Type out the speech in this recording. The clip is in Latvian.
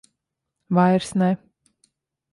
Vairs ne.